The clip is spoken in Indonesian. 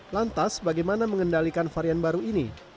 lantas bagaimana mengendalikan varian baru ini